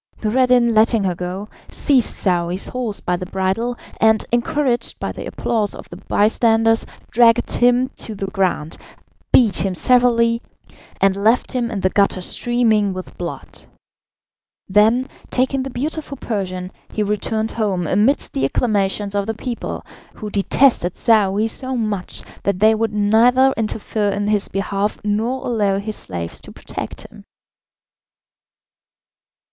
Noureddin letting her go, seized Saouy's horse by the bridle, and, encouraged by the applause of the bystanders, dragged him to the ground, beat him severely, and left him in the gutter streaming with blood. Then, taking the beautiful Persian, he returned home amidst the acclamations of the people, who detested Saouy so much that they would neither interfere in his behalf nor allow his slaves to protect him.